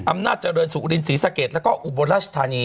อำนาจเจริญสุรินศรีสะเกดแล้วก็อุบลราชธานี